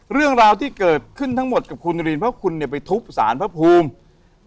เรื่องราวที่เกิดขึ้นทั้งหมดกับคุณนารินเพราะคุณเนี่ยไปทุบสารพระภูมิ